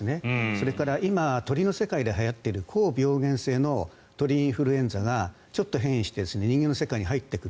それから今、鳥の世界ではやっている高病原性の鳥インフルエンザがちょっと変異して人間の世界に入っていく。